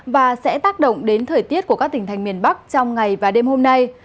và sẽ tác động đến thời tiết của các tỉnh thành miền bắc trong ngày và đêm hôm nay